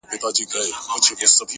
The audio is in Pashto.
د حلال او د حرام سوچونه مکړه,